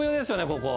ここ。